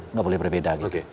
nggak boleh berbeda